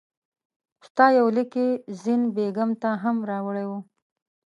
ستا یو لیک یې زین بېګم ته هم راوړی وو.